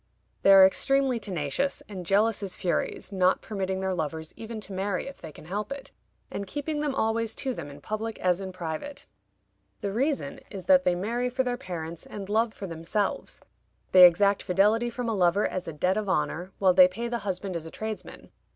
They are extremely tenacious, and jealous as furies, not permitting their lovers even to marry if they can help it, and keeping them always to them in public as in private. The reason is, that they marry for their parents and love for themselves. They exact fidelity from a lover as a debt of honor, while they pay the husband as a tradesman.